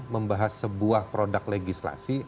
membahas sebuah produk legislasi